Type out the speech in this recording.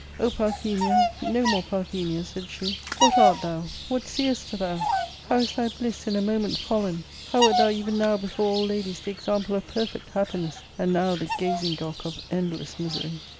" O, Parthenia, no more Parthenia," said she, " what art thou ? what seest thou ? how is thy bliss in a moment fallen \ how wert thou even now before all ladies the example of per fect happiness, and now the gazing gockf of endless misery